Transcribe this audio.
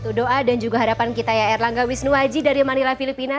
itu doa dan juga harapan kita ya erlangga wisnuwaji dari manila filipina